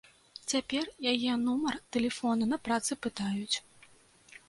Цяпер яе нумар тэлефону на працы пытаюць.